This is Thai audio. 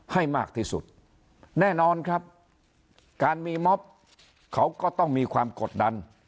ให้มากที่สุดแน่นอนครับการมีม็อบเขาก็ต้องมีความกดดัน